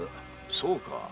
そうか。